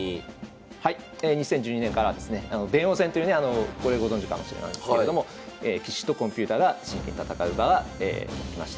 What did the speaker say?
はい２０１２年からはですね電王戦というねこれご存じかもしれないんですけれども棋士とコンピューターが真剣に戦う場ができました。